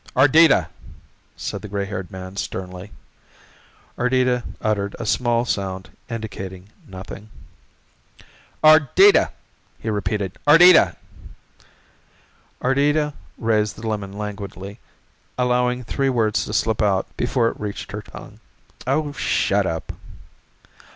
"Ardita!" said the gray haired man sternly. Ardita uttered a small sound indicating nothing. "Ardita!" he repeated. "Ardita!" Ardita raised the lemon languidly, allowing three words to slip out before it reached her tongue. "Oh, shut up."